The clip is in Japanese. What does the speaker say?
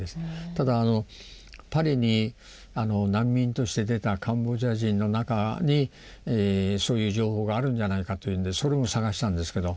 ただパリに難民として出たカンボジア人の中にそういう情報があるんじゃないかというのでそれも探したんですけど。